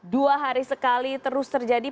dua hari sekali terus terjadi